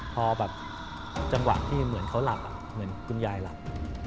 พอแบบจังหวะที่เหมือนเขาหลับเหมือนคุณยายหลับ